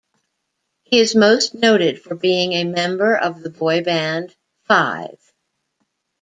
He is most noted for being a member of the boy band Five.